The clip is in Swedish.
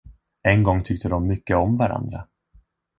En gång tyckte de mycket om varandra.